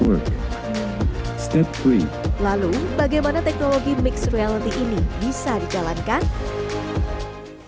step lalu bagaimana teknologi mixed reality ini bisa dijalankan